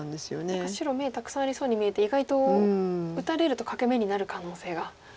何か白眼たくさんありそうに見えて意外と打たれると欠け眼になる可能性が。